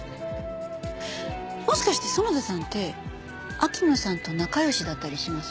もしかして園田さんって秋野さんと仲良しだったりします？